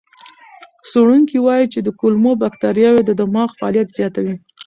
څېړونکي وایي چې کولمو بکتریاوې د دماغ فعالیت زیاتوي.